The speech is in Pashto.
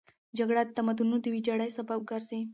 جګړه د تمدنونو د ویجاړۍ سبب ګرځي.